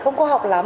không có học lắm